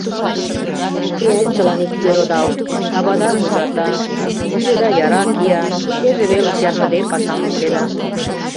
Теат чылан иктӧр одал: авада вуйлата, сӱреда яра кия, теже веле чарныде пашам ыштеда.